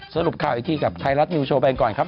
สรุปข่าวอีกทีกับไทยรัฐนิวโชว์ไปก่อนครับ